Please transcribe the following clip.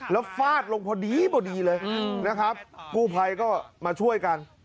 แล้วฟาดลงพอดีพอดีเลยนะครับกู้ภัยก็มาช่วยกัน